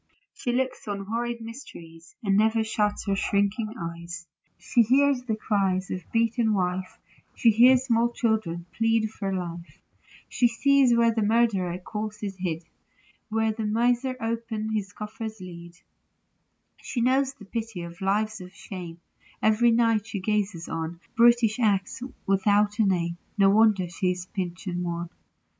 She looks on horrid mysteries, And never shuts her shrinking eyes ; She hears the cries of the beaten wife ; She hears small children plead for life ; She sees where the murdered corse is hid Where the miser opens his coffer's lid ; She knows the pity of lives of shame ; Every night she gazes on Brutish acts without a name :— No wonder she is pinched and wan.